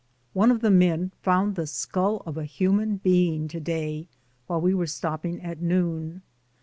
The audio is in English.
One of the men found the skull of a human being to day while we were stopping at noon.